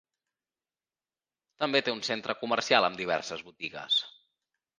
També té un centre comercial amb diverses botigues.